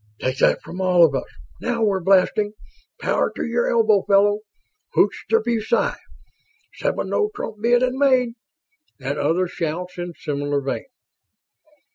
"Take that from all of us!" "Now we're blasting!" "Power to your elbow, fella!" "Hoch der BuSci!" "Seven no trump bid and made!" and other shouts in similar vein.